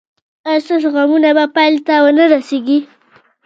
ایا ستاسو غمونه به پای ته و نه رسیږي؟